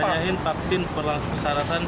tanyakan vaksin berlangsung kesarasan